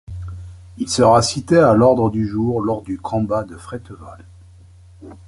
Il sera cité à l’ordre du jour lors du combat de Fréteval.